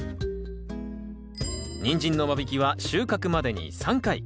ニンジンの間引きは収穫までに３回。